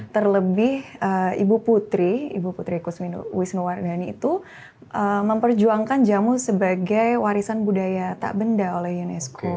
terlebih ibu putri ibu putri kus wisnuwardani itu memperjuangkan jamu sebagai warisan budaya tak benda oleh unesco